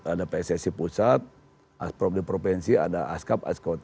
ada pssi pusat asprop di provinsi ada askap askota